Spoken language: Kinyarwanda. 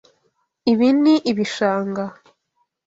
Ibi ni ibishanga.